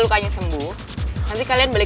kenapa gue gak beli kesini